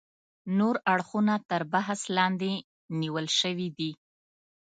نور اړخونه تر بحث لاندې نیول شوي دي.